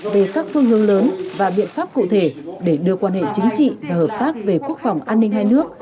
về các phương hướng lớn và biện pháp cụ thể để đưa quan hệ chính trị và hợp tác về quốc phòng an ninh hai nước